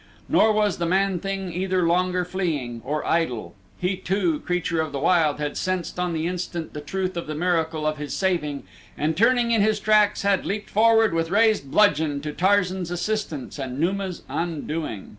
Nor was the man thing either longer fleeing, or idle. He too, creature of the wild, had sensed on the instant the truth of the miracle of his saving, and turning in his tracks, had leaped forward with raised bludgeon to Tarzan's assistance and Numa's undoing.